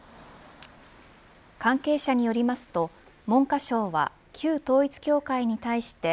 関係者によりますと文科省は旧統一教会に対して